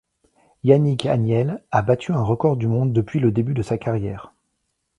Yannick Agnel a battu un record du monde depuis le début de sa carrière.